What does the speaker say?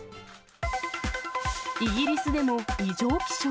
イギリスでも異常気象。